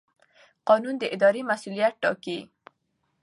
قانون د ادارې مسوولیت ټاکي.